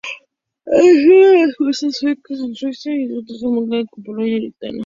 Dirigió a las fuerzas suecas en Rusia y contra la Mancomunidad de Polonia-Lituania.